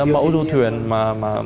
mẫu du thuyền mà